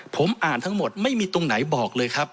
ผมอ่านทั้งหมดไม่มีตรงไหนบอกเลยครับ